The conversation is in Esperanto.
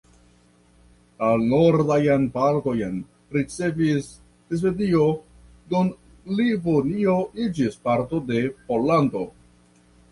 La nordajn partojn ricevis Svedio, dum Livonio iĝis parto de Pollando.